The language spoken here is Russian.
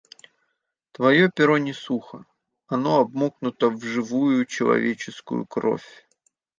Твое перо не сухо — оно обмокнуто в живую человеческую кровь.